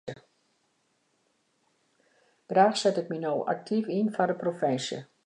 Graach set ik my no aktyf yn foar de provinsje.